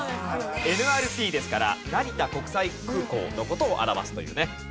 ＮＲＴですから成田国際空港の事を表すというね。